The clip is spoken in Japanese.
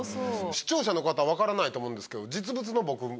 視聴者の方分からないと思うんですけど実物の僕。